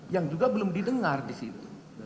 yang juga belum didengar di situ